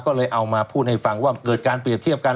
ก็เลยเอามาพูดให้ฟังว่าเกิดการเปรียบเทียบกัน